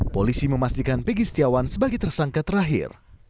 polisi memastikan pegi setiawan sebagai tersangka terakhir